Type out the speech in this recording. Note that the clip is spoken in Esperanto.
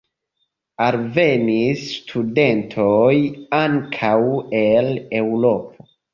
Alvenis studentoj ankaŭ el Eŭropo.